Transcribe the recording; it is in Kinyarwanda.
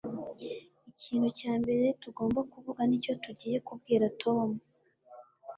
ikintu cya mbere tugomba kuvuga nicyo tugiye kubwira tom